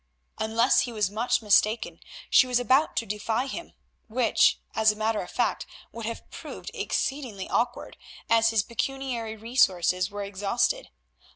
Unless he was much mistaken she was about to defy him, which, as a matter of fact, would have proved exceedingly awkward, as his pecuniary resources were exhausted.